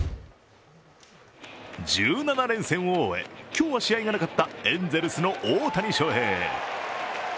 １７連戦を終え、今日は試合がなかったエンゼルスの大谷翔平。